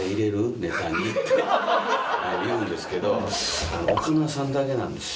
って言うんですけど。